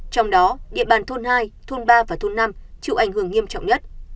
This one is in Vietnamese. trong đó địa bàn thôn hai thôn ba và thôn năm chịu ảnh hưởng nghiêm trọng nhất